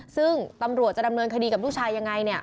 ซึ่งตำรวจจะดำเนินคดีกับลูกชายยังไงเนี่ย